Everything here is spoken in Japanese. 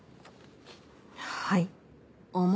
はい。